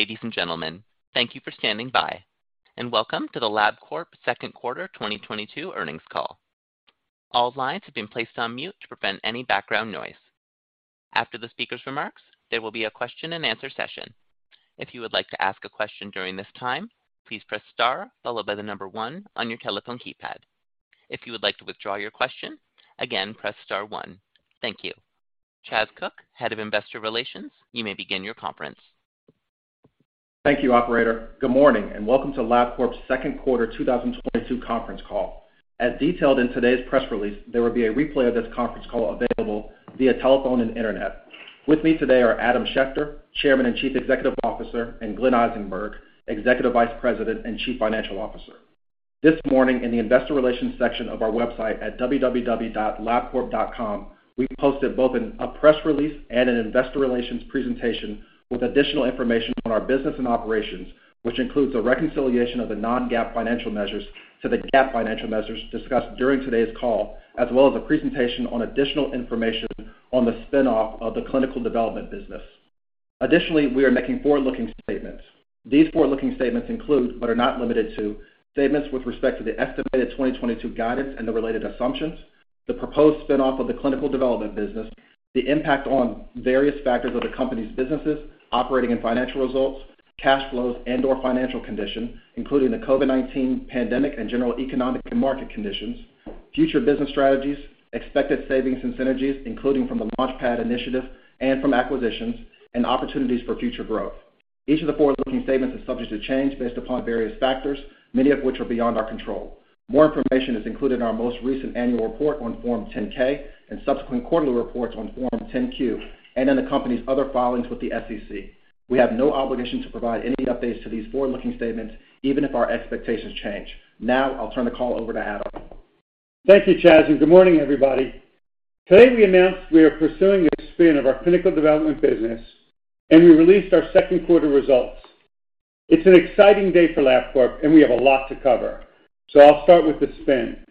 Ladies and gentlemen, thank you for standing by, and welcome to the Labcorp second quarter 2022 earnings call. All lines have been placed on mute to prevent any background noise. After the speaker's remarks, there will be a question-and-answer session. If you would like to ask a question during this time, please press star followed by the number one on your telephone keypad. If you would like to withdraw your question, again, press star one. Thank you. Chas Cook, Head of Investor Relations, you may begin your conference. Thank you, operator. Good morning, and welcome to Labcorp's second quarter 2022 conference call. As detailed in today's press release, there will be a replay of this conference call available via telephone and internet. With me today are Adam Schechter, Chairman and Chief Executive Officer, and Glenn Eisenberg, Executive Vice President and Chief Financial Officer. This morning, in the investor relations section of our website at www.labcorp.com, we posted both a press release and an investor relations presentation with additional information on our business and operations, which includes a reconciliation of the non-GAAP financial measures to the GAAP financial measures discussed during today's call, as well as a presentation on additional information on the spin-off of the clinical development business. Additionally, we are making forward-looking statements. These forward-looking statements include, but are not limited to, statements with respect to the estimated 2022 guidance and the related assumptions, the proposed spin-off of the clinical development business, the impact on various factors of the company's businesses, operating and financial results, cash flows and/or financial condition, including the COVID-19 pandemic and general economic and market conditions, future business strategies, expected savings and synergies, including from the LaunchPad initiative and from acquisitions, and opportunities for future growth. Each of the forward-looking statements is subject to change based upon various factors, many of which are beyond our control. More information is included in our most recent annual report on Form 10-K and subsequent quarterly reports on Form 10-Q, and in the company's other filings with the SEC. We have no obligation to provide any updates to these forward-looking statements even if our expectations change. Now, I'll turn the call over to Adam. Thank you, Chas, and good morning, everybody. Today, we announced we are pursuing a spin of our clinical development business, and we released our second quarter results. It's an exciting day for Labcorp, and we have a lot to cover, so I'll start with the spin.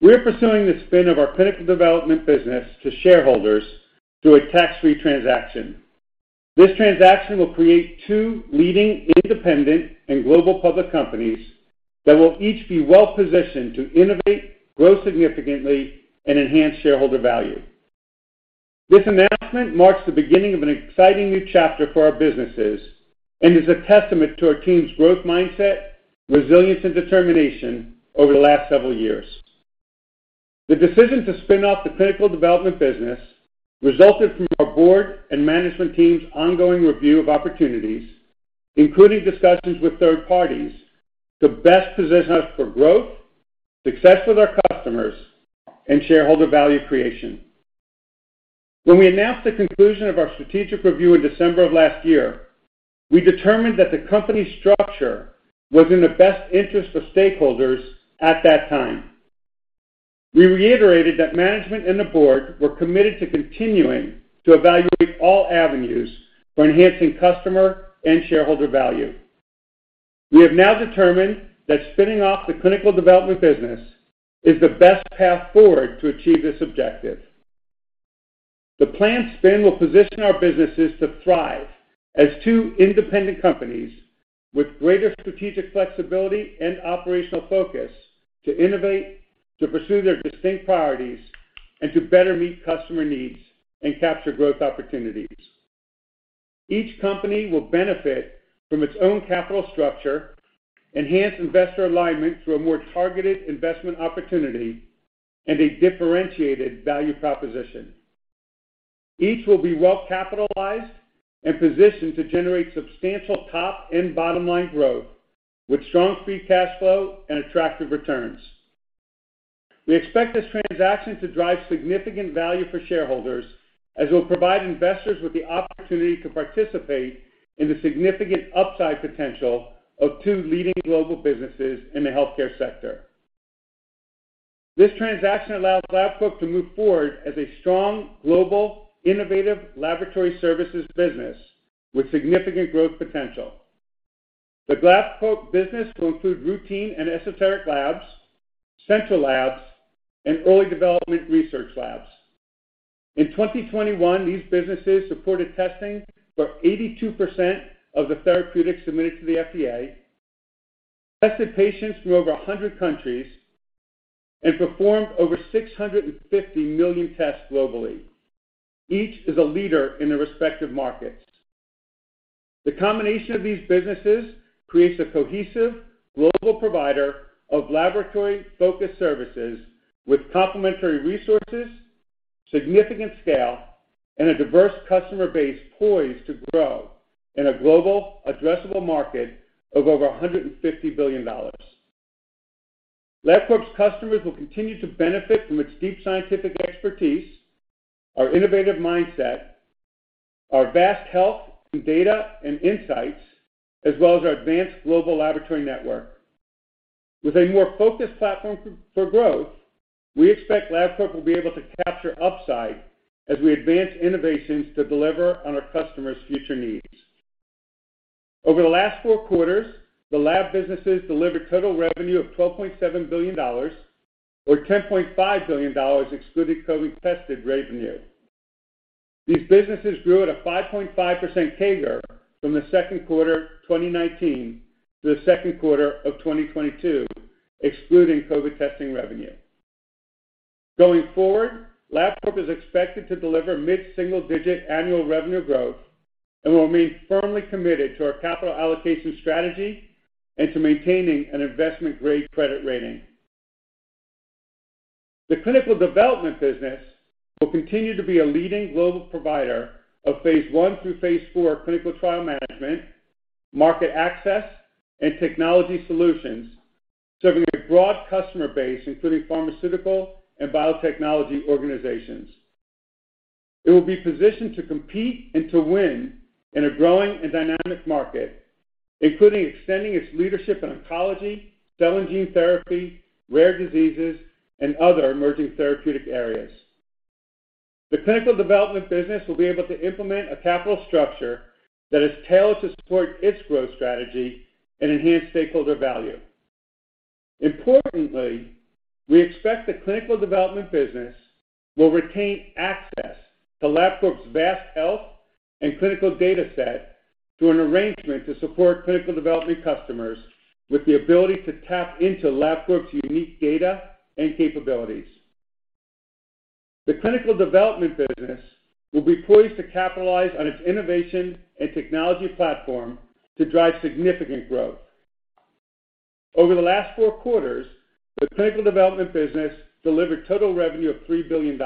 We're pursuing the spin of our clinical development business to shareholders through a tax-free transaction. This transaction will create two leading independent and global public companies that will each be well-positioned to innovate, grow significantly, and enhance shareholder value. This announcement marks the beginning of an exciting new chapter for our businesses and is a testament to our team's growth mindset, resilience, and determination over the last several years. The decision to spin off the clinical development business resulted from our board and management team's ongoing review of opportunities, including discussions with third parties, to best position us for growth, success with our customers, and shareholder value creation. When we announced the conclusion of our strategic review in December of last year, we determined that the company's structure was in the best interest of stakeholders at that time. We reiterated that management and the board were committed to continuing to evaluate all avenues for enhancing customer and shareholder value. We have now determined that spinning off the clinical development business is the best path forward to achieve this objective. The planned spin will position our businesses to thrive as two independent companies with greater strategic flexibility and operational focus to innovate, to pursue their distinct priorities, and to better meet customer needs and capture growth opportunities. Each company will benefit from its own capital structure, enhanced investor alignment through a more targeted investment opportunity, and a differentiated value proposition. Each will be well capitalized and positioned to generate substantial top and bottom-line growth with strong free cash flow and attractive returns. We expect this transaction to drive significant value for shareholders as it will provide investors with the opportunity to participate in the significant upside potential of two leading global businesses in the healthcare sector. This transaction allows Labcorp to move forward as a strong global, innovative laboratory services business with significant growth potential. The Labcorp business will include routine and esoteric labs, central labs, and early development research labs. In 2021, these businesses supported testing for 82% of the therapeutics submitted to the FDA, tested patients from over 100 countries, and performed over 650 million tests globally. Each is a leader in their respective markets. The combination of these businesses creates a cohesive global provider of laboratory-focused services with complementary resources, significant scale, and a diverse customer base poised to grow in a global addressable market of over $150 billion. Labcorp's customers will continue to benefit from its deep scientific expertise, our innovative mindset, our vast health data and insights, as well as our advanced global laboratory network. With a more focused platform for growth, we expect Labcorp will be able to capture upside as we advance innovations to deliver on our customers' future needs. Over the last four quarters, the lab businesses delivered total revenue of $12.7 billion. Or $10.5 billion excluding COVID-tested revenue. These businesses grew at a 5.5% CAGR from the second quarter 2019 to the second quarter of 2022, excluding COVID testing revenue. Going forward, Labcorp is expected to deliver mid-single-digit annual revenue growth and will remain firmly committed to our capital allocation strategy and to maintaining an investment-grade credit rating. The clinical development business will continue to be a leading global provider of phase I through phase IV clinical trial management, market access, and technology solutions, serving a broad customer base, including pharmaceutical and biotechnology organizations. It will be positioned to compete and to win in a growing and dynamic market, including extending its leadership in oncology, cell and gene therapy, rare diseases, and other emerging therapeutic areas. The clinical development business will be able to implement a capital structure that is tailored to support its growth strategy and enhance stakeholder value. Importantly, we expect the clinical development business will retain access to Labcorp's vast health and clinical data set through an arrangement to support clinical development customers with the ability to tap into Labcorp's unique data and capabilities. The clinical development business will be poised to capitalize on its innovation and technology platform to drive significant growth. Over the last four quarters, the clinical development business delivered total revenue of $3 billion.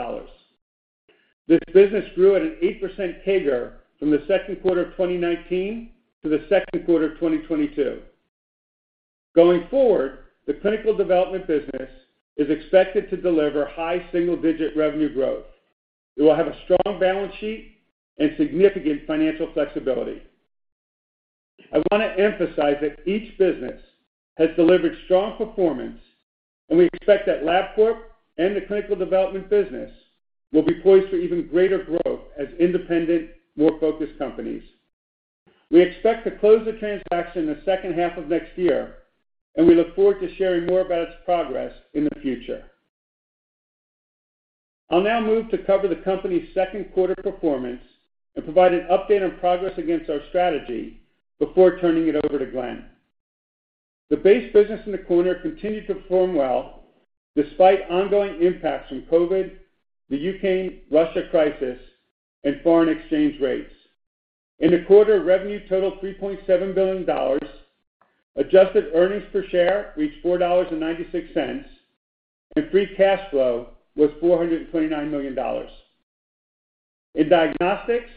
This business grew at an 8% CAGR from the second quarter of 2019 to the second quarter of 2022. Going forward, the clinical development business is expected to deliver high single-digit revenue growth. It will have a strong balance sheet and significant financial flexibility. I want to emphasize that each business has delivered strong performance, and we expect that Labcorp and the clinical development business will be poised for even greater growth as independent, more focused companies. We expect to close the transaction in the second half of next year, and we look forward to sharing more about its progress in the future. I'll now move to cover the company's second quarter performance and provide an update on progress against our strategy before turning it over to Glenn. The base business in the quarter continued to perform well despite ongoing impacts from COVID, the Ukraine-Russia crisis, and foreign exchange rates. In the quarter, revenue totaled $3.7 billion, adjusted earnings per share reached $4.96, and free cash flow was $429 million. In diagnostics,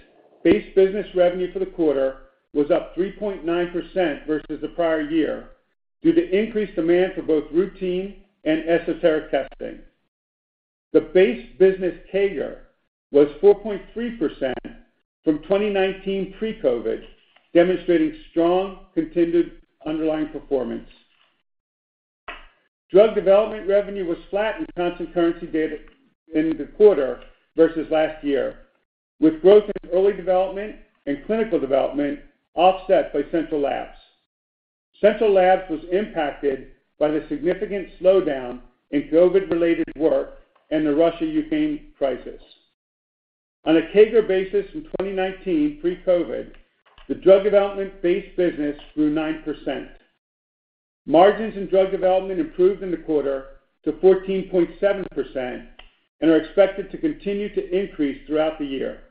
base business revenue for the quarter was up 3.9% versus the prior year due to increased demand for both routine and esoteric testing. The base business CAGR was 4.3% from 2019 pre-COVID, demonstrating strong, continued underlying performance. Drug development revenue was flat in constant currency data in the quarter versus last year, with growth in early development and clinical development offset by central labs. Central labs was impacted by the significant slowdown in COVID-related work and the Russia-Ukraine crisis. On a CAGR basis in 2019 pre-COVID, the drug development base business grew 9%. Margins in drug development improved in the quarter to 14.7% and are expected to continue to increase throughout the year.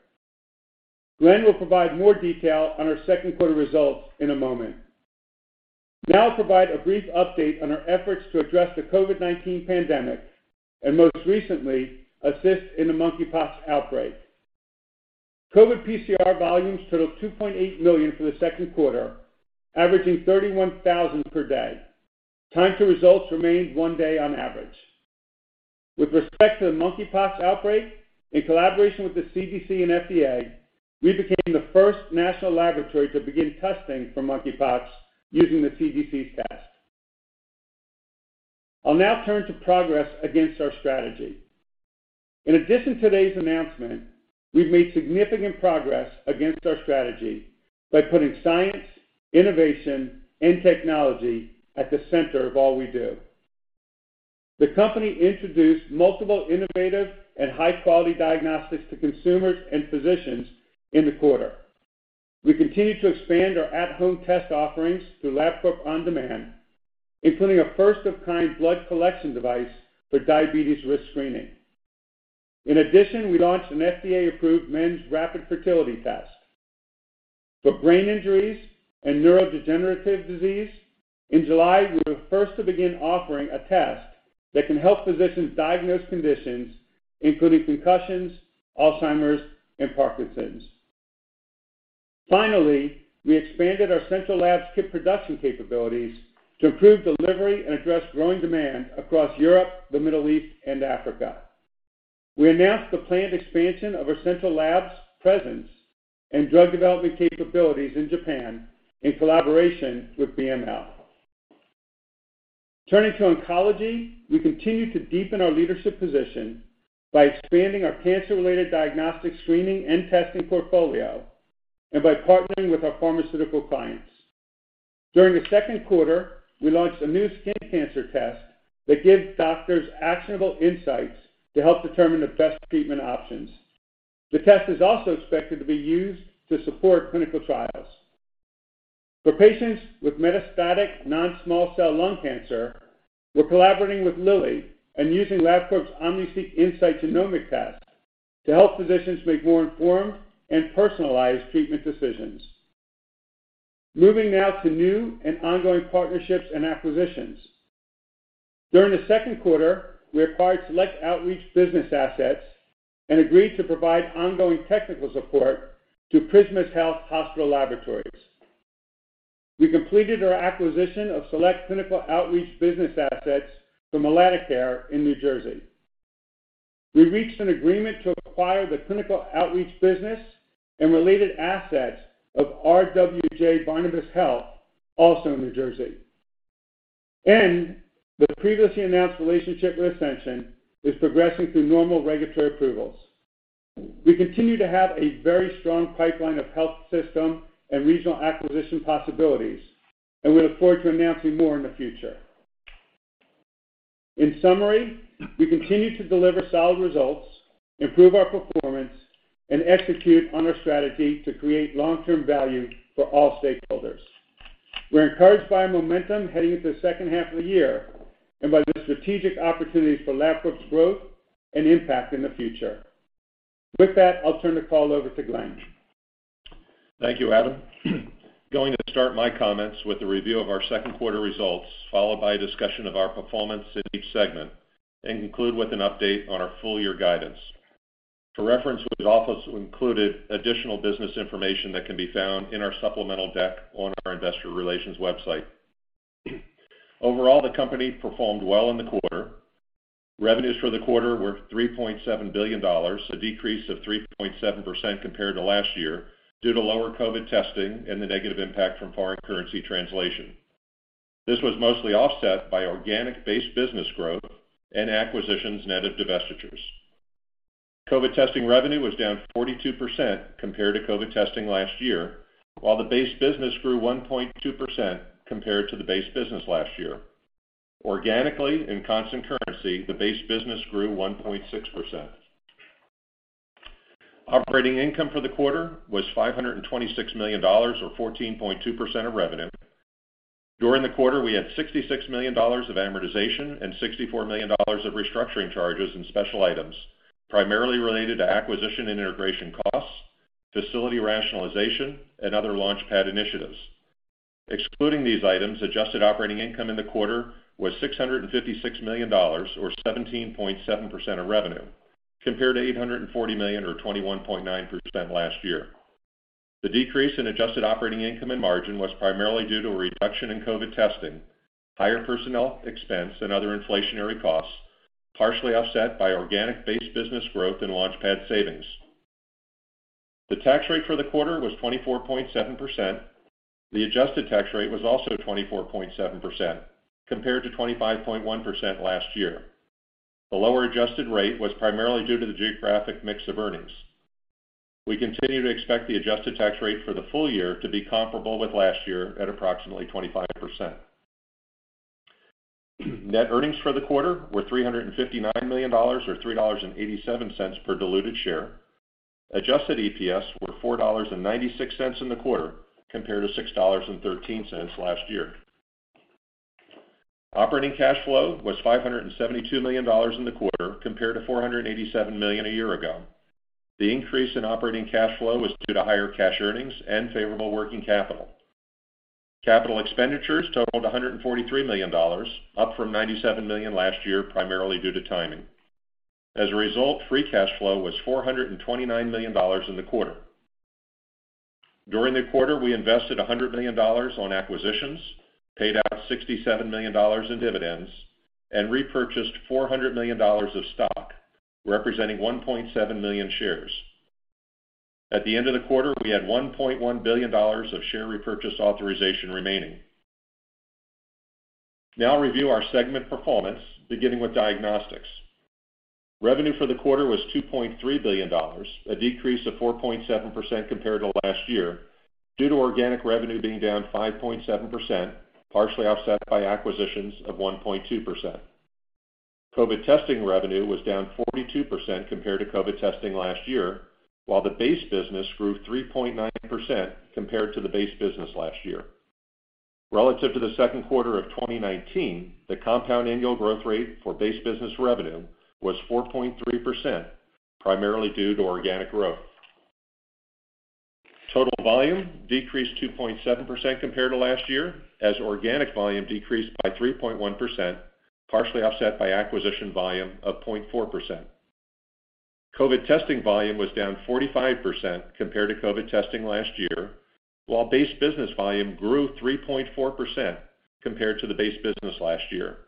Glenn will provide more detail on our second quarter results in a moment. Now I'll provide a brief update on our efforts to address the COVID-19 pandemic and most recently, assist in the monkeypox outbreak. COVID PCR volumes totaled 2.8 million for the second quarter, averaging 31,000 per day. Time to results remained 1 day on average. With respect to the monkeypox outbreak, in collaboration with the CDC and FDA, we became the first national laboratory to begin testing for monkeypox using the CDC's test. I'll now turn to progress against our strategy. In addition to today's announcement, we've made significant progress against our strategy by putting science, innovation, and technology at the center of all we do. The company introduced multiple innovative and high-quality diagnostics to consumers and physicians in the quarter. We continue to expand our at-home test offerings through Labcorp OnDemand, including a first of kind blood collection device for diabetes risk screening. In addition, we launched an FDA-approved men's rapid fertility test. For brain injuries and neurodegenerative disease, in July, we were first to begin offering a test that can help physicians diagnose conditions including concussions, Alzheimer's, and Parkinson's. Finally, we expanded our central labs kit production capabilities to improve delivery and address growing demand across Europe, the Middle East, and Africa. We announced the planned expansion of our central labs presence and drug development capabilities in Japan in collaboration with BML. Turning to oncology, we continue to deepen our leadership position by expanding our cancer-related diagnostic screening and testing portfolio and by partnering with our pharmaceutical clients. During the second quarter, we launched a new skin cancer test that gives doctors actionable insights to help determine the best treatment options. The test is also expected to be used to support clinical trials. For patients with metastatic non-small cell lung cancer, we're collaborating with Lilly and using Labcorp's OmniSeq INSIGHT genomic test to help physicians make more informed and personalized treatment decisions. Moving now to new and ongoing partnerships and acquisitions. During the second quarter, we acquired select outreach business assets and agreed to provide ongoing technical support to Prisma Health's Hospital Laboratories. We completed our acquisition of select clinical outreach business assets from AtlantiCare in New Jersey. We reached an agreement to acquire the clinical outreach business and related assets of RWJBarnabas Health, also in New Jersey. The previously announced relationship with Ascension is progressing through normal regulatory approvals. We continue to have a very strong pipeline of health system and regional acquisition possibilities, and we look forward to announcing more in the future. In summary, we continue to deliver solid results, improve our performance, and execute on our strategy to create long-term value for all stakeholders. We're encouraged by momentum heading into the second half of the year and by the strategic opportunities for Labcorp's growth and impact in the future. With that, I'll turn the call over to Glenn. Thank you, Adam. Going to start my comments with a review of our second quarter results, followed by a discussion of our performance in each segment and conclude with an update on our full year guidance. For reference, we've also included additional business information that can be found in our supplemental deck on our investor relations website. Overall, the company performed well in the quarter. Revenues for the quarter were $3.7 billion, a decrease of 3.7% compared to last year due to lower COVID testing and the negative impact from foreign currency translation. This was mostly offset by organic base business growth and acquisitions net of divestitures. COVID testing revenue was down 42% compared to COVID testing last year, while the base business grew 1.2% compared to the base business last year. Organically, in constant currency, the base business grew 1.6%. Operating income for the quarter was $526 million, or 14.2% of revenue. During the quarter, we had $66 million of amortization and $64 million of restructuring charges and special items primarily related to acquisition and integration costs, facility rationalization and other LaunchPad initiatives. Excluding these items, adjusted operating income in the quarter was $656 million or 17.7% of revenue, compared to $840 million or 21.9% last year. The decrease in adjusted operating income and margin was primarily due to a reduction in COVID testing, higher personnel expense and other inflationary costs, partially offset by organic base business growth and LaunchPad savings. The tax rate for the quarter was 24.7%. The adjusted tax rate was also 24.7%, compared to 25.1% last year. The lower adjusted rate was primarily due to the geographic mix of earnings. We continue to expect the adjusted tax rate for the full year to be comparable with last year at approximately 25%. Net earnings for the quarter were $359 million, or $3.87 per diluted share. Adjusted EPS were $4.96 in the quarter, compared to $6.13 last year. Operating cash flow was $572 million in the quarter, compared to $487 million a year ago. The increase in operating cash flow was due to higher cash earnings and favorable working capital. Capital expenditures totaled $143 million, up from $97 million last year, primarily due to timing. As a result, free cash flow was $429 million in the quarter. During the quarter, we invested $100 million on acquisitions, paid out $67 million in dividends and repurchased $400 million of stock, representing 1.7 million shares. At the end of the quarter, we had $1.1 billion of share repurchase authorization remaining. Now review our segment performance, beginning with diagnostics. Revenue for the quarter was $2.3 billion, a decrease of 4.7% compared to last year due to organic revenue being down 5.7%, partially offset by acquisitions of 1.2%. COVID testing revenue was down 42% compared to COVID testing last year, while the base business grew 3.9% compared to the base business last year. Relative to the second quarter of 2019, the compound annual growth rate for base business revenue was 4.3%, primarily due to organic growth. Total volume decreased 2.7% compared to last year as organic volume decreased by 3.1%, partially offset by acquisition volume of 0.4%. COVID testing volume was down 45% compared to COVID testing last year, while base business volume grew 3.4% compared to the base business last year.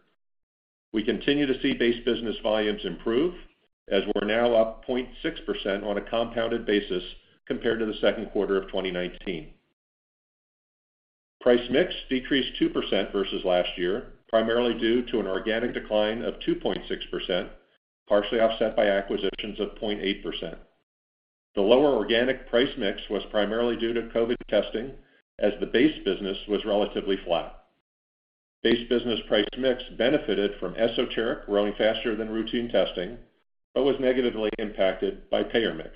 We continue to see base business volumes improve as we're now up 0.6% on a compounded basis compared to the second quarter of 2019. Price mix decreased 2% versus last year, primarily due to an organic decline of 2.6%, partially offset by acquisitions of 0.8%. The lower organic price mix was primarily due to COVID testing as the base business was relatively flat. Base business price mix benefited from esoteric growing faster than routine testing, but was negatively impacted by payer mix.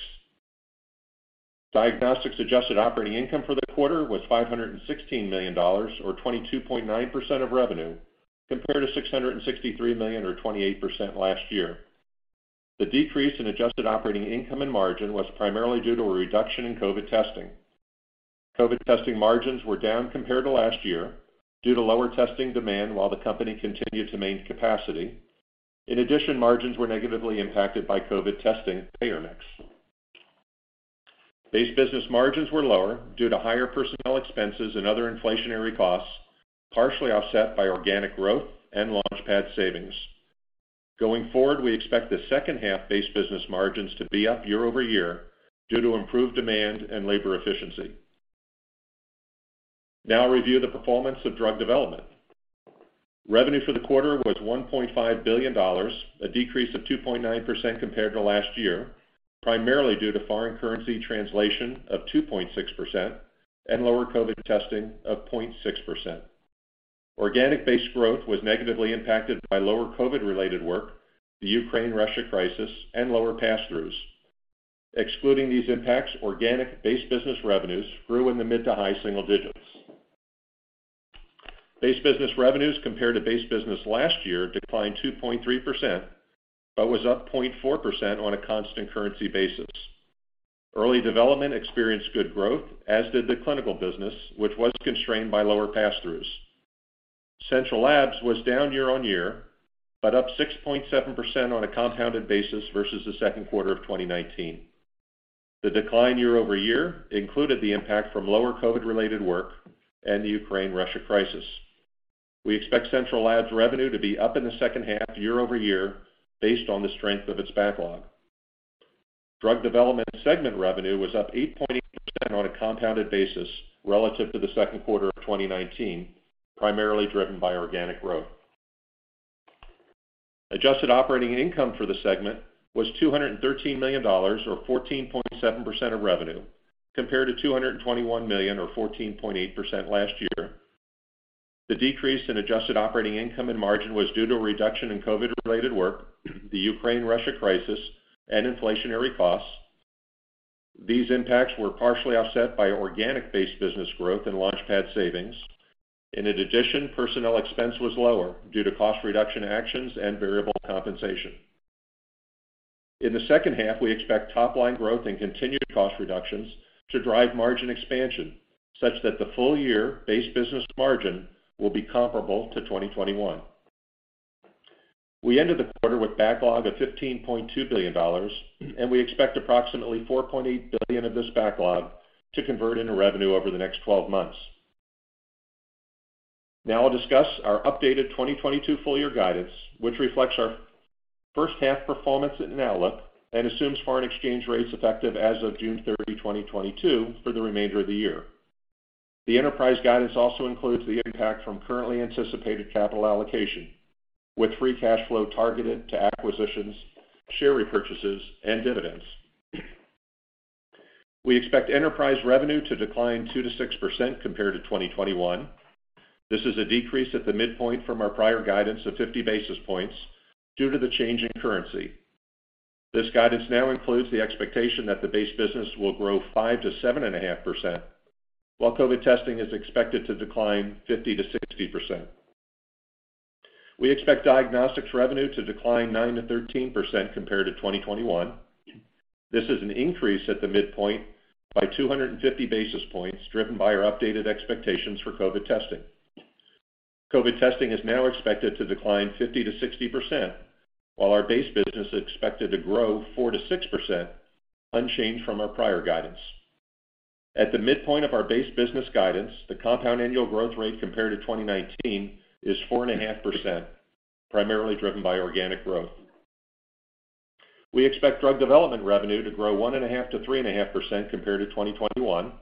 Diagnostics adjusted operating income for the quarter was $516 million, or 22.9% of revenue, compared to $663 million, or 28% last year. The decrease in adjusted operating income and margin was primarily due to a reduction in COVID testing. COVID testing margins were down compared to last year due to lower testing demand while the company continued to maintain capacity. In addition, margins were negatively impacted by COVID testing payer mix. Base business margins were lower due to higher personnel expenses and other inflationary costs, partially offset by organic growth and LaunchPad savings. Going forward, we expect the second half base business margins to be up year-over-year due to improved demand and labor efficiency. Now I'll review the performance of drug development. Revenue for the quarter was $1.5 billion, a decrease of 2.9% compared to last year, primarily due to foreign currency translation of 2.6% and lower COVID testing of 0.6%. Organic base growth was negatively impacted by lower COVID-related work, the Ukraine-Russia crisis, and lower pass-throughs. Excluding these impacts, organic base business revenues grew in the mid- to high-single digits. Base business revenues compared to base business last year declined 2.3%, but was up 0.4% on a constant currency basis. Early development experienced good growth, as did the clinical business, which was constrained by lower pass-throughs. Central Labs was down year-over-year, but up 6.7% on a constant basis versus the second quarter of 2019. The decline year-over-year included the impact from lower COVID-related work and the Ukraine-Russia crisis. We expect Central Labs revenue to be up in the second half year-over-year based on the strength of its backlog. Drug development segment revenue was up 8.8% on a constant basis relative to the second quarter of 2019, primarily driven by organic growth. Adjusted operating income for the segment was $213 million, or 14.7% of revenue, compared to $221 million, or 14.8% last year. The decrease in adjusted operating income and margin was due to a reduction in COVID-related work, the Ukraine-Russia crisis, and inflationary costs. These impacts were partially offset by organic-based business growth and LaunchPad savings. In addition, personnel expense was lower due to cost reduction actions and variable compensation. In the second half, we expect top line growth and continued cost reductions to drive margin expansion, such that the full year base business margin will be comparable to 2021. We ended the quarter with backlog of $15.2 billion, and we expect approximately $4.8 billion of this backlog to convert into revenue over the next 12 months. Now I'll discuss our updated 2022 full year guidance, which reflects our first half performance and outlook and assumes foreign exchange rates effective as of June 30, 2022 for the remainder of the year. The enterprise guidance also includes the impact from currently anticipated capital allocation, with free cash flow targeted to acquisitions, share repurchases, and dividends. We expect enterprise revenue to decline 2%-6% compared to 2021. This is a decrease at the midpoint from our prior guidance of 50 basis points due to the change in currency. This guidance now includes the expectation that the base business will grow 5%-7.5%, while COVID testing is expected to decline 50%-60%. We expect diagnostics revenue to decline 9%-13% compared to 2021. This is an increase at the midpoint by 250 basis points driven by our updated expectations for COVID testing. COVID testing is now expected to decline 50%-60%, while our base business is expected to grow 4%-6%, unchanged from our prior guidance. At the midpoint of our base business guidance, the compound annual growth rate compared to 2019 is 4.5%, primarily driven by organic growth. We expect drug development revenue to grow 1.5%-3.5% compared to 2021.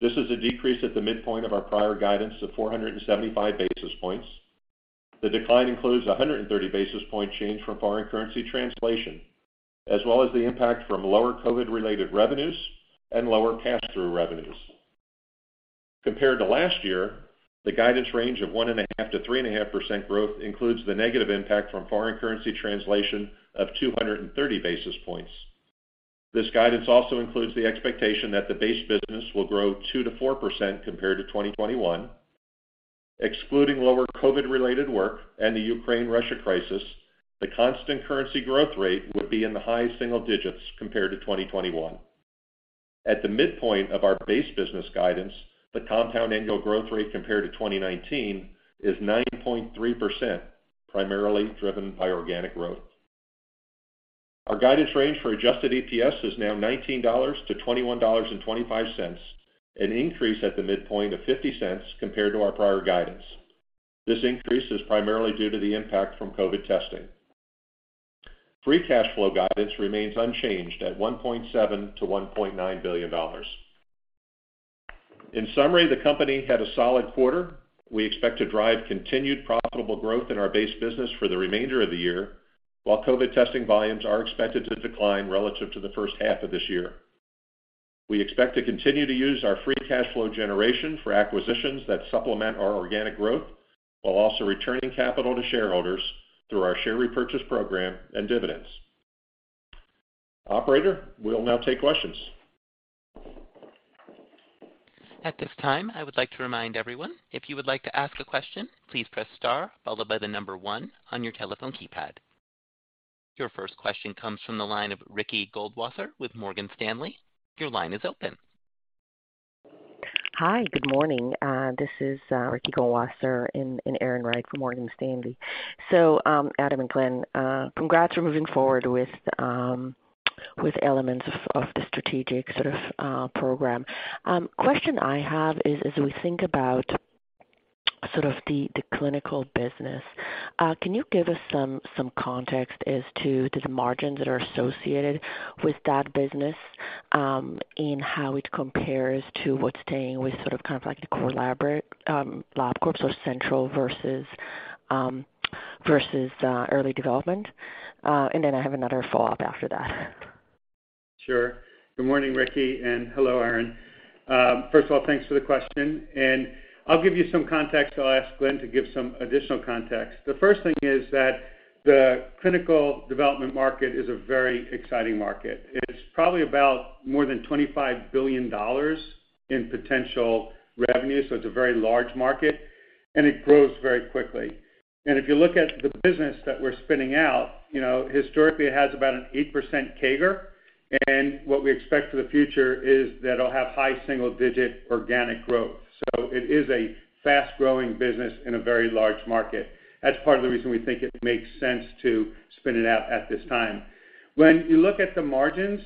This is a decrease at the midpoint of our prior guidance of 475 basis points. The decline includes a 130 basis point change from foreign currency translation, as well as the impact from lower COVID-related revenues and lower pass-through revenues. Compared to last year, the guidance range of 1.5%-3.5% growth includes the negative impact from foreign currency translation of 230 basis points. This guidance also includes the expectation that the base business will grow 2%-4% compared to 2021. Excluding lower COVID-related work and the Ukraine-Russia crisis, the constant currency growth rate would be in the high single digits compared to 2021. At the midpoint of our base business guidance, the compound annual growth rate compared to 2019 is 9.3%, primarily driven by organic growth. Our guidance range for adjusted EPS is now $19-$21.25, an increase at the midpoint of $0.50 compared to our prior guidance. This increase is primarily due to the impact from COVID testing. Free cash flow guidance remains unchanged at $1.7 billion-$1.9 billion. In summary, the company had a solid quarter. We expect to drive continued profitable growth in our base business for the remainder of the year, while COVID testing volumes are expected to decline relative to the first half of this year. We expect to continue to use our free cash flow generation for acquisitions that supplement our organic growth while also returning capital to shareholders through our share repurchase program and dividends. Operator, we'll now take questions. At this time, I would like to remind everyone, if you would like to ask a question, please press star followed by the number one on your telephone keypad. Your first question comes from the line of Ricky Goldwasser with Morgan Stanley. Your line is open. Hi. Good morning. This is Ricky Goldwasser and Erin Wright from Morgan Stanley. Adam and Glenn, congrats for moving forward with elements of the strategic sort of program. Question I have is as we think about sort of the clinical business, can you give us some context as to the margins that are associated with that business, in how it compares to what's staying with sort of kind of like the core lab work, Labcorp or central versus early development? And then I have another follow-up after that. Sure. Good morning, Ricky, and hello, Erin. First of all, thanks for the question, and I'll give you some context. I'll ask Glenn to give some additional context. The first thing is that the clinical development market is a very exciting market. It's probably about more than $25 billion in potential revenue, so it's a very large market, and it grows very quickly. If you look at the business that we're spinning out, you know, historically it has about an 8% CAGR, and what we expect for the future is that it'll have high single digit organic growth. It is a fast-growing business in a very large market. That's part of the reason we think it makes sense to spin it out at this time. When you look at the margins,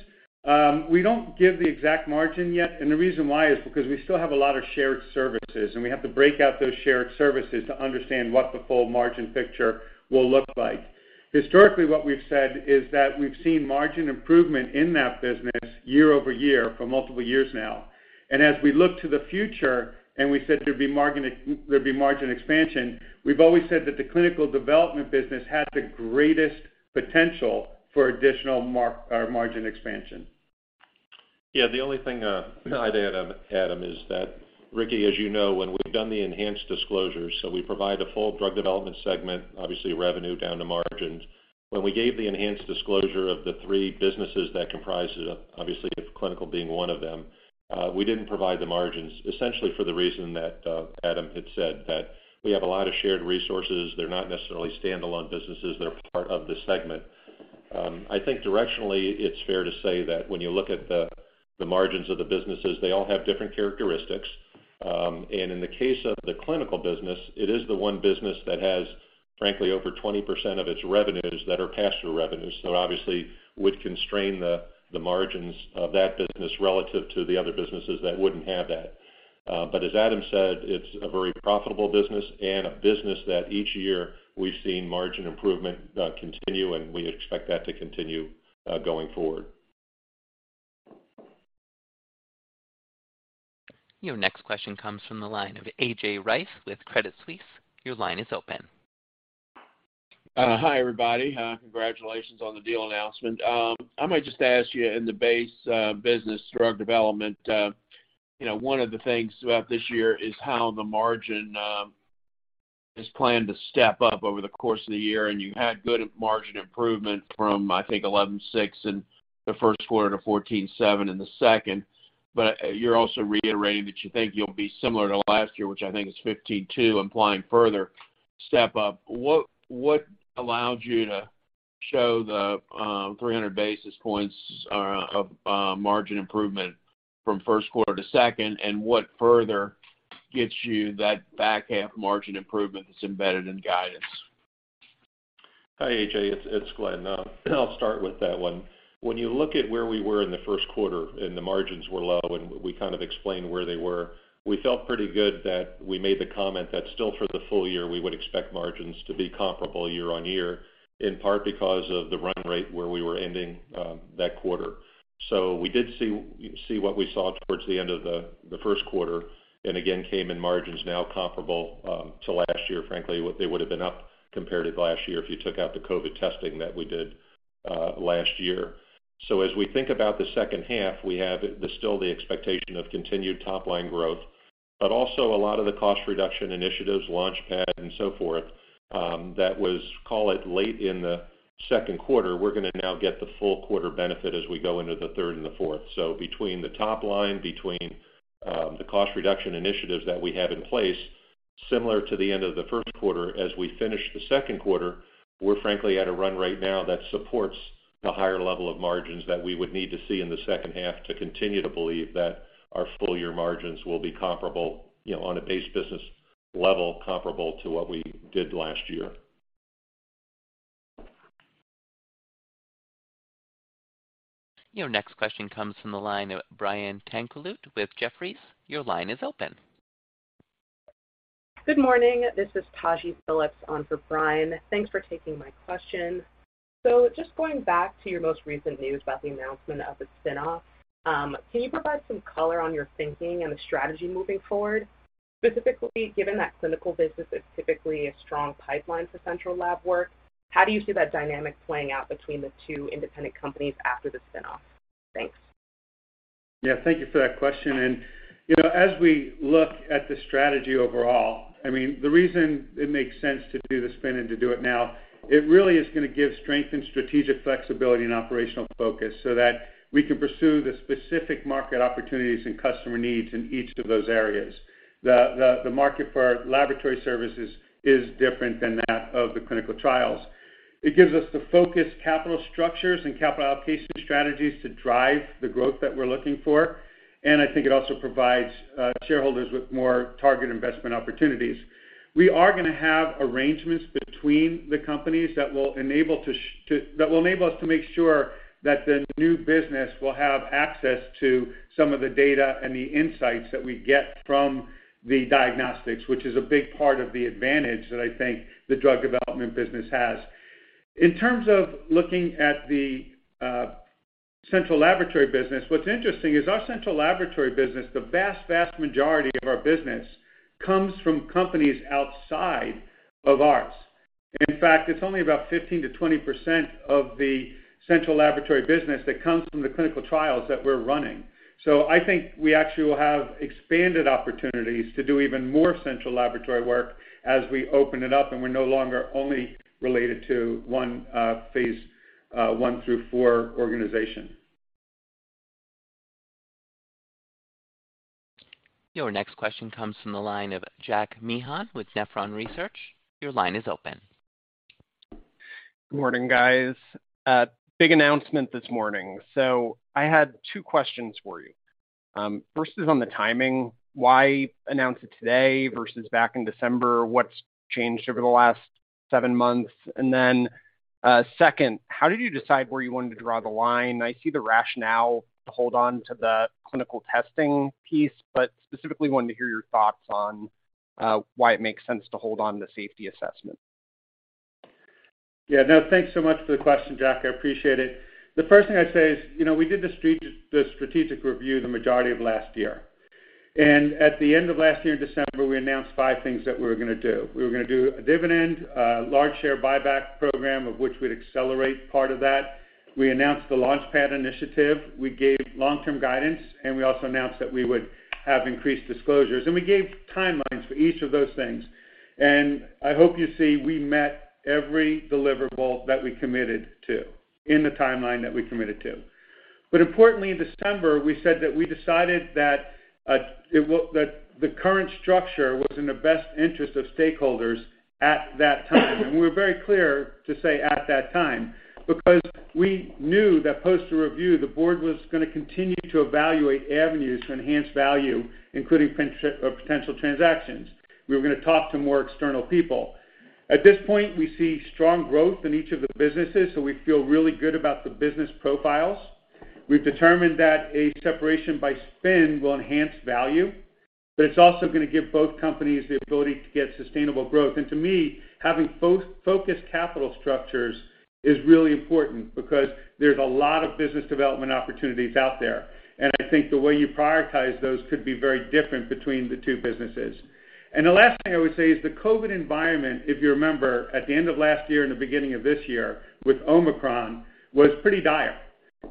we don't give the exact margin yet, and the reason why is because we still have a lot of shared services, and we have to break out those shared services to understand what the full margin picture will look like. Historically, what we've said is that we've seen margin improvement in that business year-over-year for multiple years now. As we look to the future and we said there'd be margin expansion, we've always said that the clinical development business had the greatest potential for additional margin expansion. Yeah. The only thing I'd add, Adam, is that, Ricky, as you know, when we've done the enhanced disclosure, we provide the full drug development segment, obviously revenue down to margins. When we gave the enhanced disclosure of the three businesses that comprise it, obviously with clinical being one of them, we didn't provide the margins essentially for the reason that Adam had said, that we have a lot of shared resources. They're not necessarily standalone businesses. They're part of the segment. I think directionally it's fair to say that when you look at the margins of the businesses, they all have different characteristics. In the case of the clinical business, it is the one business that has, frankly, over 20% of its revenues that are pass-through revenues. Obviously, it would constrain the margins of that business relative to the other businesses that wouldn't have that. But as Adam said, it's a very profitable business and a business that each year we've seen margin improvement continue, and we expect that to continue going forward. Your next question comes from the line of A.J. Rice with Credit Suisse. Your line is open. Hi, everybody. Congratulations on the deal announcement. I might just ask you in the base business drug development, you know, one of the things throughout this year is how the margin is planned to step up over the course of the year, and you had good margin improvement from, I think, 11.6% in the first quarter to 14.7% in the second. You're also reiterating that you think you'll be similar to last year, which I think is 15.2%, implying further step up. What allows you to show the 300 basis points of margin improvement from first quarter to second, and what further gets you that back half margin improvement that's embedded in guidance? Hi, A.J. It's Glenn. I'll start with that one. When you look at where we were in the first quarter and the margins were low and we kind of explained where they were, we felt pretty good that we made the comment that still for the full year we would expect margins to be comparable year-over-year, in part because of the run rate where we were ending that quarter. We did see what we saw towards the end of the first quarter and again came in margins now comparable to last year. Frankly, what they would have been up compared to last year if you took out the COVID testing that we did last year. As we think about the second half, we have still the expectation of continued top-line growth, but also a lot of the cost reduction initiatives, LaunchPad and so forth, that was, call it late in the second quarter, we're gonna now get the full quarter benefit as we go into the third and the fourth. Between the top line, the cost reduction initiatives that we have in place, similar to the end of the first quarter as we finish the second quarter, we're frankly at a run rate now that supports the higher level of margins that we would need to see in the second half to continue to believe that our full year margins will be comparable, you know, on a base business level comparable to what we did last year. Your next question comes from the line of Brian Tanquilut with Jefferies. Your line is open. Good morning. This is Taji Phillips on for Brian. Thanks for taking my question. Just going back to your most recent news about the announcement of the spin-off, can you provide some color on your thinking and the strategy moving forward? Specifically, given that clinical business is typically a strong pipeline for central lab work, how do you see that dynamic playing out between the two independent companies after the spin-off? Thanks. Yeah, thank you for that question. You know, as we look at the strategy overall, I mean, the reason it makes sense to do the spin and to do it now, it really is gonna give strength and strategic flexibility and operational focus so that we can pursue the specific market opportunities and customer needs in each of those areas. The market for our laboratory services is different than that of the clinical trials. It gives us the focused capital structures and capital allocation strategies to drive the growth that we're looking for, and I think it also provides shareholders with more target investment opportunities. We are gonna have arrangements between the companies that will enable to, that will enable us to make sure that the new business will have access to some of the data and the insights that we get from the diagnostics, which is a big part of the advantage that I think the drug development business has. In terms of looking at the central laboratory business, what's interesting is our central laboratory business, the vast majority of our business comes from companies outside of ours. In fact, it's only about 15%-20% of the central laboratory business that comes from the clinical trials that we're running. I think we actually will have expanded opportunities to do even more central laboratory work as we open it up and we're no longer only related to one phase I through IV organization. Your next question comes from the line of Jack Meehan with Nephron Research. Your line is open. Good morning, guys. Big announcement this morning. I had two questions for you. First is on the timing. Why announce it today versus back in December? What's changed over the last seven months? Second, how did you decide where you wanted to draw the line? I see the rationale to hold on to the clinical testing piece, but specifically wanted to hear your thoughts on why it makes sense to hold on to safety assessment. Yeah, no, thanks so much for the question, Jack. I appreciate it. The first thing I'd say is, you know, we did the strategic review the majority of last year. At the end of last year in December, we announced five things that we were gonna do. We were gonna do a dividend, large share buyback program, of which we'd accelerate part of that. We announced the LaunchPad initiative. We gave long-term guidance, and we also announced that we would have increased disclosures, and we gave timelines for each of those things. I hope you see we met every deliverable that we committed to in the timeline that we committed to. Importantly, in December, we said that we decided that that the current structure was in the best interest of stakeholders at that time. We were very clear to say at that time, because we knew that post the review, the board was gonna continue to evaluate avenues to enhance value, including potential transactions. We were gonna talk to more external people. At this point, we see strong growth in each of the businesses, so we feel really good about the business profiles. We've determined that a separation by spin will enhance value, but it's also gonna give both companies the ability to get sustainable growth. To me, having focused capital structures is really important because there's a lot of business development opportunities out there. I think the way you prioritize those could be very different between the two businesses. The last thing I would say is the COVID environment, if you remember, at the end of last year and the beginning of this year with Omicron, was pretty dire.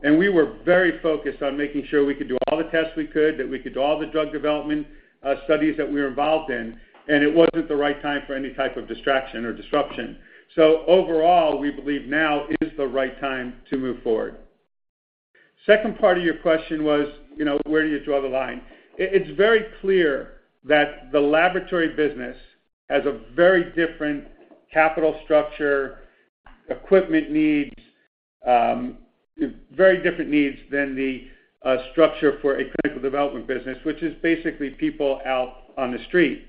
We were very focused on making sure we could do all the tests we could, that we could do all the drug development studies that we were involved in, and it wasn't the right time for any type of distraction or disruption. Overall, we believe now is the right time to move forward. Second part of your question was, you know, where do you draw the line? It's very clear that the laboratory business has a very different capital structure, equipment needs, very different needs than the structure for a clinical development business, which is basically people out on the street.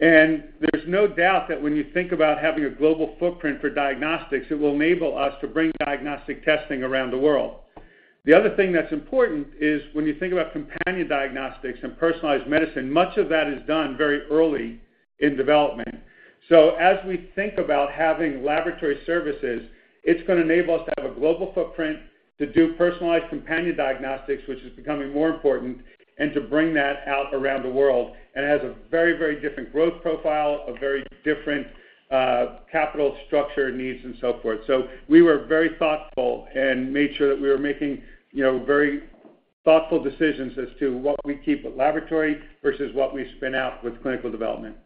There's no doubt that when you think about having a global footprint for diagnostics, it will enable us to bring diagnostic testing around the world. The other thing that's important is when you think about companion diagnostics and personalized medicine, much of that is done very early in development. As we think about having laboratory services, it's gonna enable us to have a global footprint to do personalized companion diagnostics, which is becoming more important, and to bring that out around the world. It has a very, very different growth profile, a very different, capital structure needs and so forth. We were very thoughtful and made sure that we were making, you know, very thoughtful decisions as to what we keep with laboratory versus what we spin out with clinical development.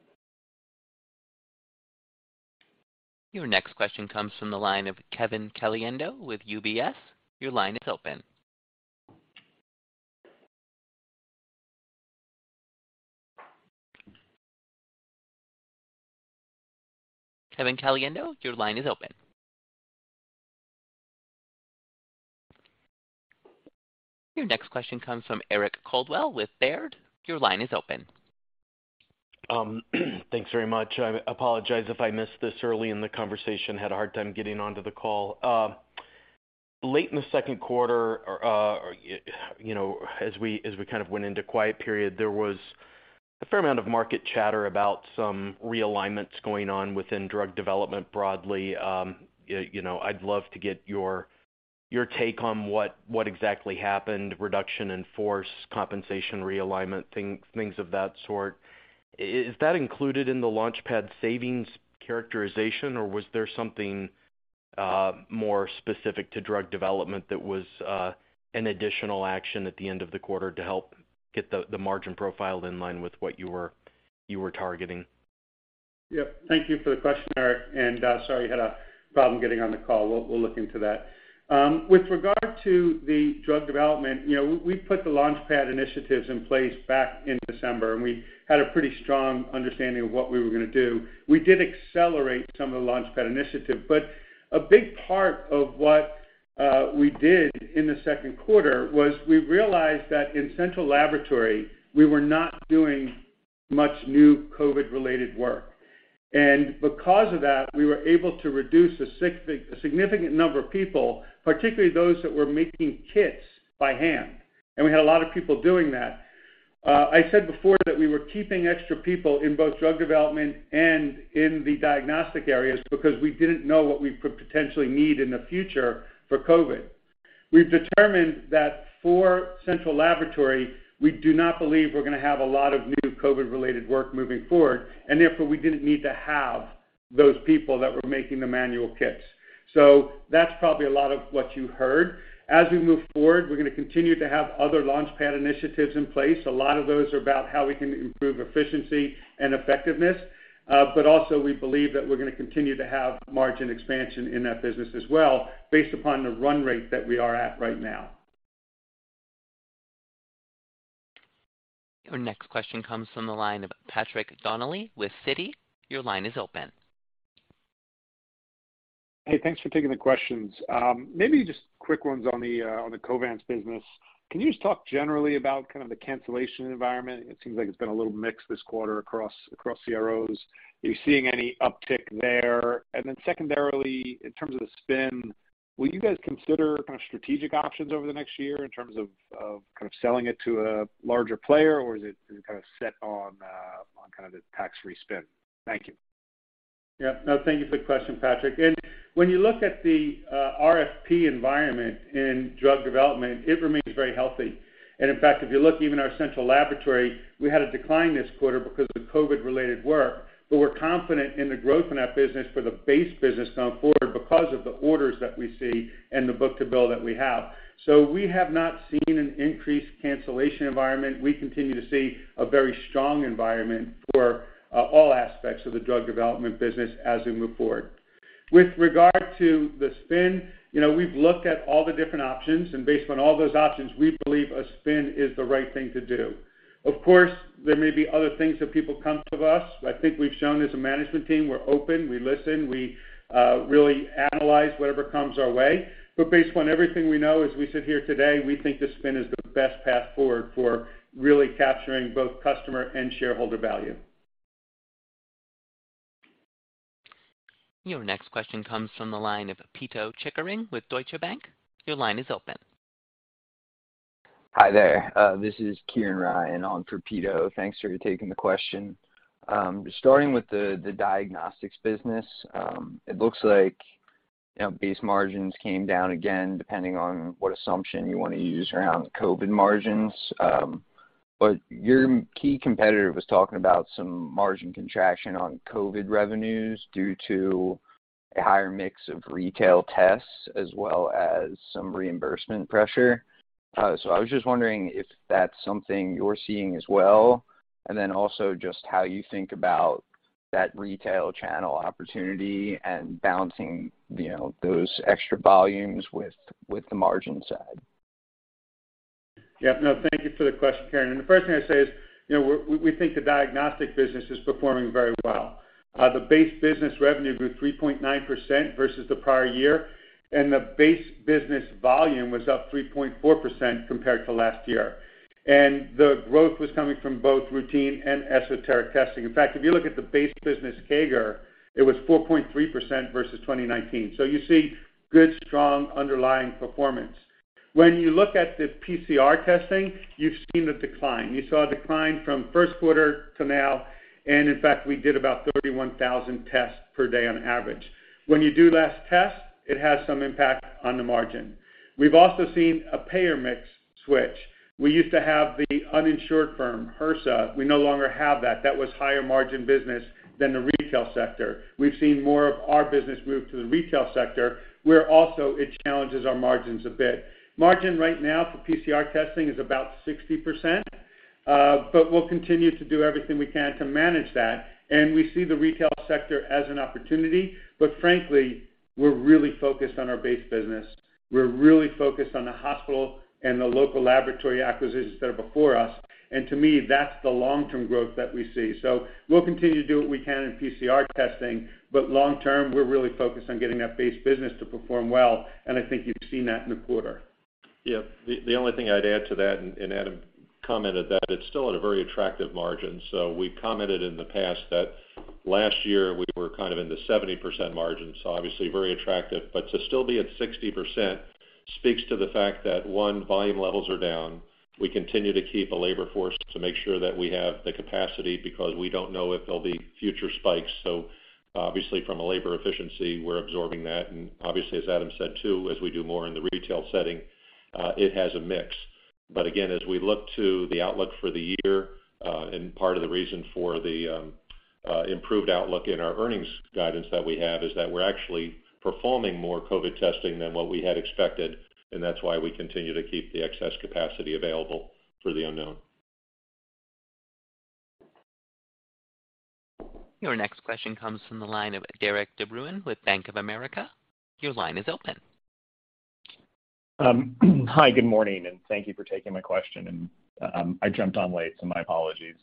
Your next question comes from the line of Kevin Caliendo with UBS. Your line is open. Kevin Caliendo, your line is open. Your next question comes from Eric Coldwell with Baird. Your line is open. Thanks very much. I apologize if I missed this early in the conversation. Had a hard time getting onto the call. Late in the second quarter, or, you know, as we kind of went into quiet period, there was a fair amount of market chatter about some realignments going on within drug development broadly. You know, I'd love to get your take on what exactly happened, reduction in force, compensation realignment, things of that sort. Is that included in the LaunchPad savings characterization, or was there something more specific to drug development that was an additional action at the end of the quarter to help get the margin profile in line with what you were targeting? Yep. Thank you for the question, Eric, and sorry you had a problem getting on the call. We'll look into that. With regard to the drug development, you know, we put the LaunchPad initiatives in place back in December, and we had a pretty strong understanding of what we were gonna do. We did accelerate some of the LaunchPad initiative, but a big part of what we did in the second quarter was we realized that in central laboratory, we were not doing much new COVID-related work. Because of that, we were able to reduce a significant number of people, particularly those that were making kits by hand, and we had a lot of people doing that. I said before that we were keeping extra people in both drug development and in the diagnostic areas because we didn't know what we could potentially need in the future for COVID. We've determined that for central laboratory, we do not believe we're gonna have a lot of new COVID-related work moving forward, and therefore, we didn't need to have those people that were making the manual kits. That's probably a lot of what you heard. As we move forward, we're gonna continue to have other LaunchPad initiatives in place. A lot of those are about how we can improve efficiency and effectiveness, but also we believe that we're gonna continue to have margin expansion in that business as well based upon the run rate that we are at right now. Your next question comes from the line of Patrick Donnelly with Citi. Your line is open. Hey, thanks for taking the questions. Maybe just quick ones on the Covance business. Can you just talk generally about kind of the cancellation environment? It seems like it's been a little mixed this quarter across CROs. Are you seeing any uptick there? Secondarily, in terms of the spin, will you guys consider kind of strategic options over the next year in terms of kind of selling it to a larger player, or is it kind of set on kind of the tax-free spin? Thank you. Yeah. No, thank you for the question, Patrick. When you look at the RFP environment in drug development, it remains very healthy. In fact, if you look even our central laboratory, we had a decline this quarter because of COVID-related work, but we're confident in the growth in that business for the base business going forward because of the orders that we see and the book-to-bill that we have. We have not seen an increased cancellation environment. We continue to see a very strong environment for all aspects of the drug development business as we move forward. With regard to the spin, you know, we've looked at all the different options, and based on all those options, we believe a spin is the right thing to do. Of course, there may be other things if people come to us. I think we've shown as a management team, we're open, we listen, we really analyze whatever comes our way. Based on everything we know as we sit here today, we think the spin is the best path forward for really capturing both customer and shareholder value. Your next question comes from the line of Pito Chickering with Deutsche Bank. Your line is open. Hi there. This is Kieran Ryan on for Pito. Thanks for taking the question. Starting with the diagnostics business, it looks like, you know, base margins came down again, depending on what assumption you wanna use around COVID margins. Your key competitor was talking about some margin contraction on COVID revenues due to a higher mix of retail tests as well as some reimbursement pressure. I was just wondering if that's something you're seeing as well. Also just how you think about that retail channel opportunity and balancing, you know, those extra volumes with the margin side. Yeah. No, thank you for the question, Kieran. The first thing I say is, you know, we think the diagnostic business is performing very well. The base business revenue grew 3.9% versus the prior year, and the base business volume was up 3.4% compared to last year. The growth was coming from both routine and esoteric testing. In fact, if you look at the base business CAGR, it was 4.3% versus 2019. You see good, strong underlying performance. When you look at the PCR testing, you've seen a decline. You saw a decline from first quarter to now, and in fact, we did about 31,000 tests per day on average. When you do less tests, it has some impact on the margin. We've also seen a payer mix switch. We used to have the uninsured from HRSA. We no longer have that. That was higher margin business than the retail sector. We've seen more of our business move to the retail sector, where also it challenges our margins a bit. Margin right now for PCR testing is about 60%, but we'll continue to do everything we can to manage that. We see the retail sector as an opportunity, but frankly, we're really focused on our base business. We're really focused on the hospital and the local laboratory acquisitions that are before us. To me, that's the long-term growth that we see. We'll continue to do what we can in PCR testing, but long term, we're really focused on getting that base business to perform well, and I think you've seen that in the quarter. Yeah, the only thing I'd add to that, and Adam commented that it's still at a very attractive margin. We've commented in the past that last year we were kind of in the 70% margin, so obviously very attractive. To still be at 60% speaks to the fact that, one, volume levels are down. We continue to keep a labor force to make sure that we have the capacity because we don't know if there'll be future spikes. Obviously, from a labor efficiency, we're absorbing that. Obviously, as Adam said too, as we do more in the retail setting, it has a mix. Again, as we look to the outlook for the year, and part of the reason for the improved outlook in our earnings guidance that we have is that we're actually performing more COVID testing than what we had expected, and that's why we continue to keep the excess capacity available for the unknown. Your next question comes from the line of Derik de Bruin with Bank of America. Your line is open. Hi, good morning, and thank you for taking my question. I jumped on late, so my apologies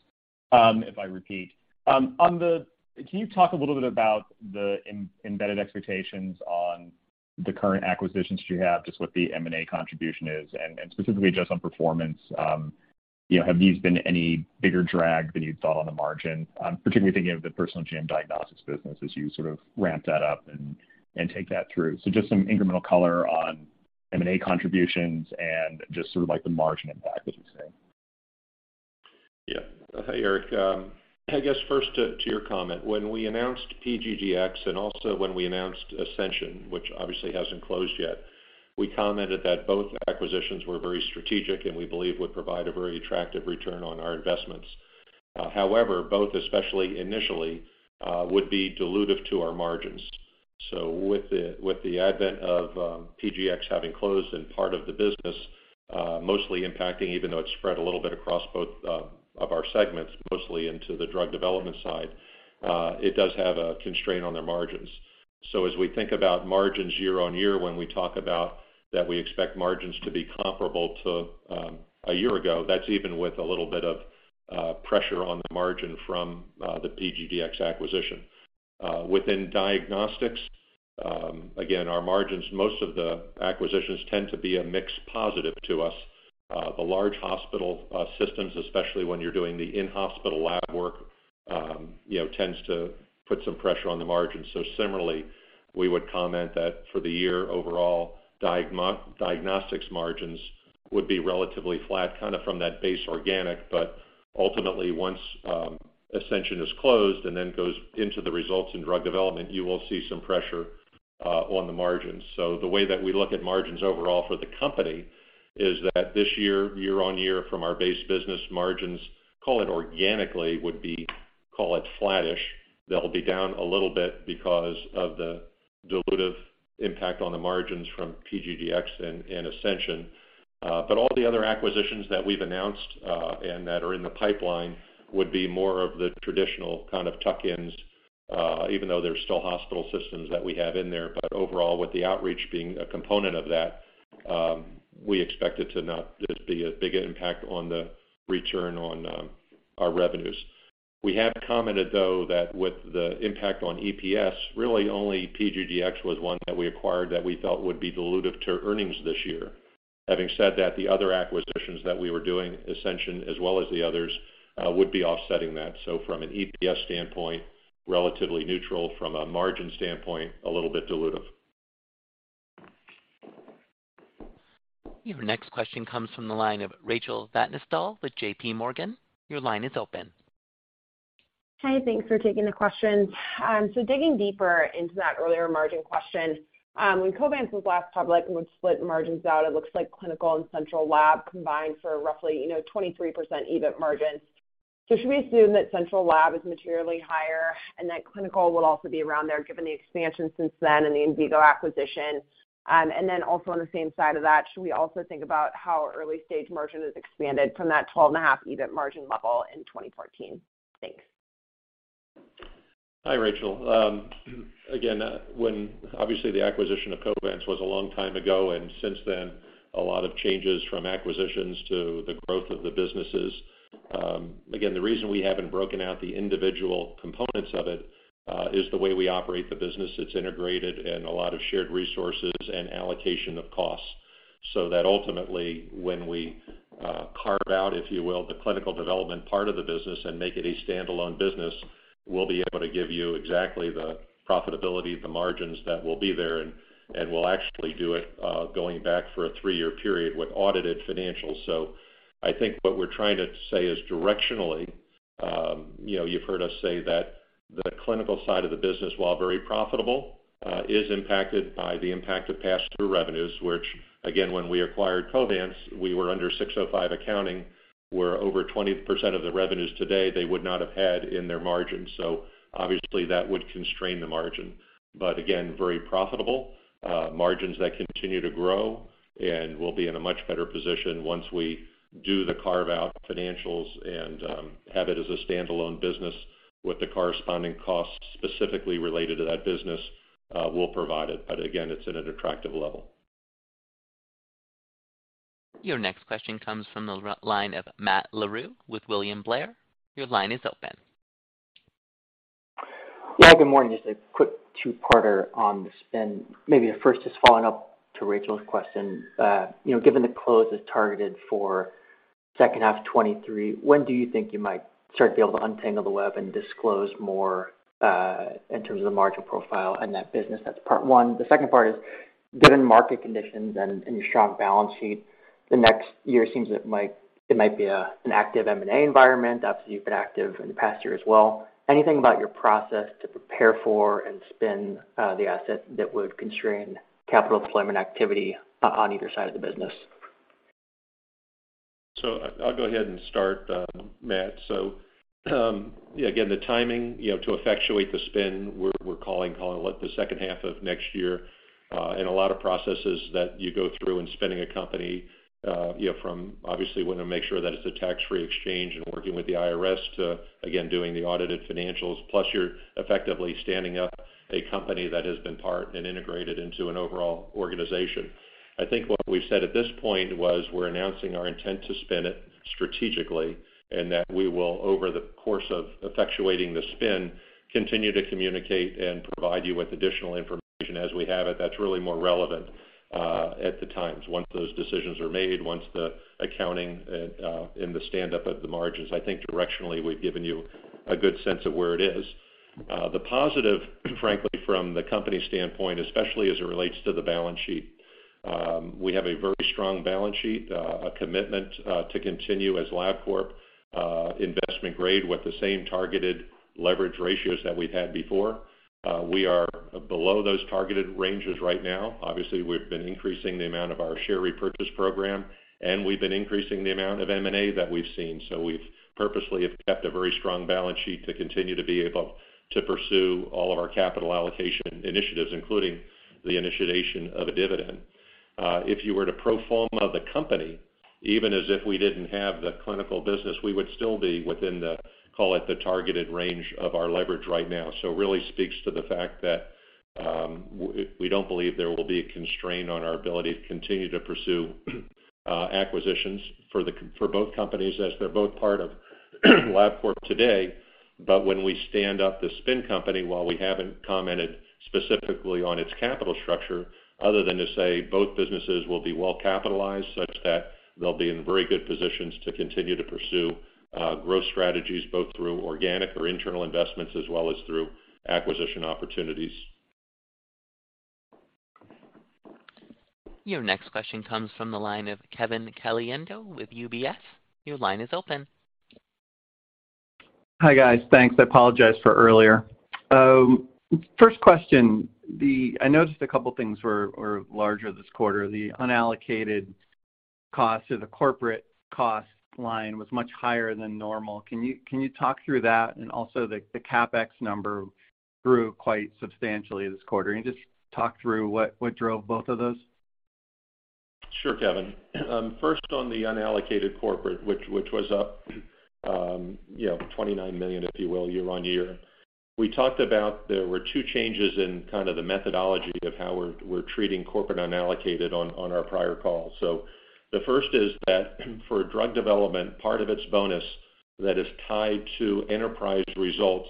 if I repeat. Can you talk a little bit about the embedded expectations on the current acquisitions that you have, just what the M&A contribution is? Specifically just on performance, you know, have these been any bigger drag than you'd thought on the margin, particularly thinking of the Personal Genome Diagnostics business as you sort of ramp that up and take that through? Just some incremental color on M&A contributions and just sort of like the margin impact, as you say. Yeah. Hi, Eric. I guess first to your comment, when we announced PGDx and also when we announced Ascension, which obviously hasn't closed yet, we commented that both acquisitions were very strategic and we believe would provide a very attractive return on our investments. However, both especially initially would be dilutive to our margins. With the advent of PGDx having closed and part of the business mostly impacting, even though it's spread a little bit across both of our segments, mostly into the drug development side, it does have a constraint on their margins. As we think about margins year-on-year, when we talk about that we expect margins to be comparable to a year ago, that's even with a little bit of pressure on the margin from the PGDx acquisition. Within diagnostics, again, our margins, most of the acquisitions tend to be a mix positive to us. The large hospital systems, especially when you're doing the in-hospital lab work, you know, tends to put some pressure on the margins. Similarly, we would comment that for the year overall, diagnostics margins would be relatively flat kind of from that base organic. Ultimately, once Ascension is closed and then goes into the results in drug development, you will see some pressure on the margins. The way that we look at margins overall for the company is that this year-on-year from our base business margins, call it organically, would be, call it, flattish. They'll be down a little bit because of the dilutive impact on the margins from PGDx and Ascension. All the other acquisitions that we've announced and that are in the pipeline would be more of the traditional kind of tuck-ins, even though there's still hospital systems that we have in there. Overall, with the outreach being a component of that, we expect it to not just be a big impact on the return on our revenues. We have commented, though, that with the impact on EPS, really only PGDx was one that we acquired that we felt would be dilutive to earnings this year. Having said that, the other acquisitions that we were doing, Ascension as well as the others, would be offsetting that. From an EPS standpoint, relatively neutral. From a margin standpoint, a little bit dilutive. Your next question comes from the line of Rachel Vatnsdal with JPMorgan. Your line is open. Hi, thanks for taking the questions. Digging deeper into that earlier margin question, when Covance was last public and would split margins out, it looks like clinical and central lab combined for roughly, you know, 23% EBIT margins. Should we assume that central lab is materially higher and that clinical would also be around there given the expansion since then and the Envigo acquisition? Also on the same side of that, should we also think about how early stage margin has expanded from that 12.5 EBIT margin level in 2014? Thanks. Hi, Rachel. Again, when obviously the acquisition of Covance was a long time ago, and since then a lot of changes from acquisitions to the growth of the businesses. Again, the reason we haven't broken out the individual components of it is the way we operate the business. It's integrated and a lot of shared resources and allocation of costs. That ultimately, when we carve out, if you will, the clinical development part of the business and make it a standalone business, we'll be able to give you exactly the profitability, the margins that will be there. We'll actually do it going back for a three-year period with audited financials. I think what we're trying to say is directionally, you know, you've heard us say that the clinical side of the business, while very profitable, is impacted by the impact of pass-through revenues, which again, when we acquired Covance, we were under ASC 605 accounting, where over 20% of the revenues today they would not have had in their margins. Obviously that would constrain the margin. But again, very profitable margins that continue to grow and will be in a much better position once we do the carve-out financials and have it as a standalone business with the corresponding costs specifically related to that business, we'll provide it. But again, it's at an attractive level. Your next question comes from the line of Matt Larew with William Blair. Your line is open. Yeah. Good morning. Just a quick two-parter on the spin. Maybe the first is following up to Rachel's question. You know, given the close is targeted for second half 2023, when do you think you might start to be able to untangle the web and disclose more in terms of the margin profile in that business? That's part one. The second part is, given market conditions and your strong balance sheet, the next year seems it might be an active M&A environment. Obviously, you've been active in the past year as well. Anything about your process to prepare for and spin the asset that would constrain capital deployment activity on either side of the business? I'll go ahead and start, Matt. Yeah, again, the timing, you know, to effectuate the spin, we're calling the second half of next year. A lot of processes that you go through in spinning a company, you know, from obviously wanting to make sure that it's a tax-free exchange and working with the IRS to, again, doing the audited financials, plus you're effectively standing up a company that has been part of an integrated into an overall organization. I think what we've said at this point was we're announcing our intent to spin it strategically, and that we will, over the course of effectuating the spin, continue to communicate and provide you with additional information as we have it that's really more relevant at the time. Once those decisions are made, once the accounting and the standup of the margins, I think directionally we've given you a good sense of where it is. The positive, frankly, from the company standpoint, especially as it relates to the balance sheet, we have a very strong balance sheet, a commitment to continue as Labcorp, investment grade with the same targeted leverage ratios that we've had before. We are below those targeted ranges right now. Obviously, we've been increasing the amount of our share repurchase program, and we've been increasing the amount of M&A that we've seen. We've purposely have kept a very strong balance sheet to continue to be able to pursue all of our capital allocation initiatives, including the initiation of a dividend. If you were to pro forma the company, even as if we didn't have the clinical business, we would still be within the, call it, the targeted range of our leverage right now. Really speaks to the fact that we don't believe there will be a constraint on our ability to continue to pursue acquisitions for both companies as they're both part of Labcorp today. When we stand up the spin company, while we haven't commented specifically on its capital structure, other than to say both businesses will be well capitalized such that they'll be in very good positions to continue to pursue growth strategies both through organic or internal investments as well as through acquisition opportunities. Your next question comes from the line of Kevin Caliendo with UBS. Your line is open. Hi, guys. Thanks. I apologize for earlier. First question, I noticed a couple things were larger this quarter. The unallocated costs or the corporate cost line was much higher than normal. Can you talk through that? Also, the CapEx number grew quite substantially this quarter. Can you just talk through what drove both of those? Sure, Kevin. First on the unallocated corporate, which was up, you know, $29 million, if you will, year-over-year. We talked about there were two changes in kind of the methodology of how we're treating corporate unallocated on our prior calls. The first is that for drug development, part of its bonus that is tied to enterprise results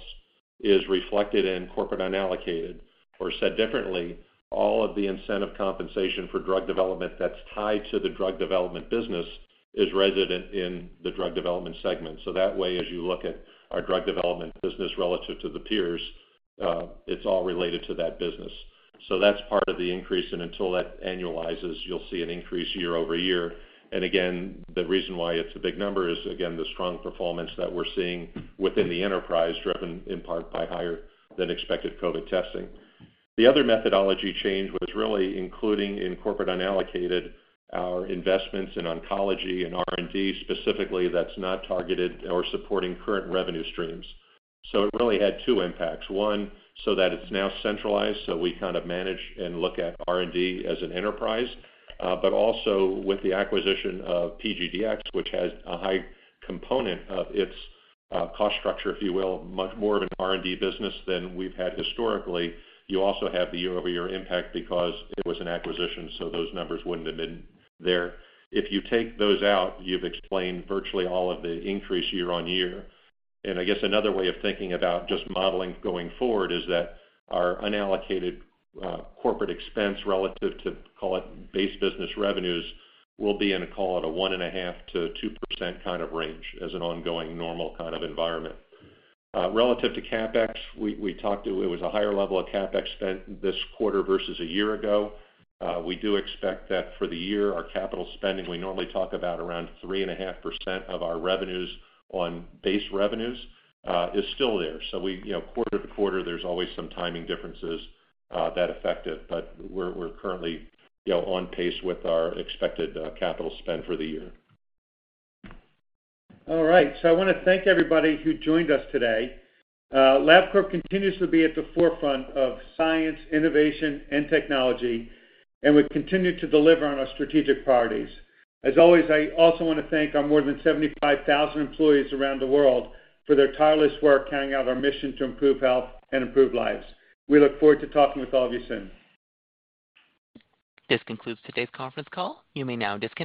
is reflected in corporate unallocated. Or said differently, all of the incentive compensation for drug development that's tied to the drug development business is resident in the drug development segment. That way, as you look at our drug development business relative to the peers, it's all related to that business. That's part of the increase. Until that annualizes, you'll see an increase year-over-year. Again, the reason why it's a big number is, again, the strong performance that we're seeing within the enterprise, driven in part by higher than expected COVID testing. The other methodology change was really including in corporate unallocated our investments in oncology and R&D specifically that's not targeted or supporting current revenue streams. It really had two impacts. One, so that it's now centralized, so we kind of manage and look at R&D as an enterprise. Also with the acquisition of PGDx, which has a high component of its cost structure, if you will, much more of an R&D business than we've had historically. You also have the year-over-year impact because it was an acquisition, so those numbers wouldn't have been there. If you take those out, you've explained virtually all of the increase year-over-year. I guess another way of thinking about just modeling going forward is that our unallocated corporate expense relative to, call it, base business revenues will be in, call it, a 1.5%-2% kind of range as an ongoing normal kind of environment. Relative to CapEx, we talked about it was a higher level of CapEx spent this quarter versus a year ago. We do expect that for the year, our capital spending, we normally talk about around 3.5% of our revenues on base revenues, is still there. You know, quarter-to-quarter, there's always some timing differences that affect it, but we're currently, you know, on pace with our expected capital spend for the year. All right. I wanna thank everybody who joined us today. Labcorp continues to be at the forefront of science, innovation, and technology, and we've continued to deliver on our strategic priorities. As always, I also wanna thank our more than 75,000 employees around the world for their tireless work carrying out our mission to improve health and improve lives. We look forward to talking with all of you soon. This concludes today's conference call. You may now disconnect.